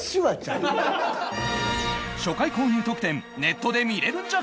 初回購入特典ネットで見れるんじゃ！！